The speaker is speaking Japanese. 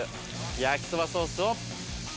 焼きそばソースをバーン。